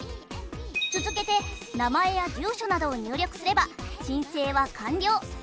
続けて名前や住所などを入力すれば申請は完了。